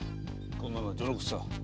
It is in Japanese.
こんなのは序の口さ。